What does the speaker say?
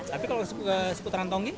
tapi kalau seputaran tonggi